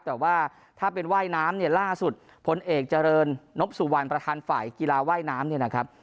แต่ว่าถ้าเป็นว่ายน้ำเนี่ยล่าสุดพลเอกเจริญนบสุวรรณประธานฝ่ายกีฬาว่ายน้ำเนี่ยนะครับ